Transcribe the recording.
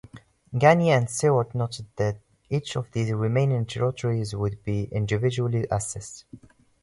Gagne and Stewart noted that each of the remaining territories would be individually assessed.